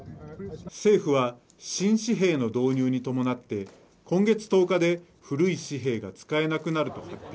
政府は新紙幣の導入に伴って今月１０日で古い紙幣が使えなくなると発表。